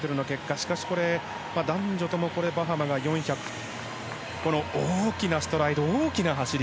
しかし、男女ともバハマが４００大きなストライド、大きな走り。